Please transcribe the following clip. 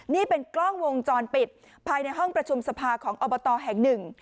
นี่เป็นกล้องวงจรปิดภายในห้องประชุมสภาของอบตแห่งหนึ่ง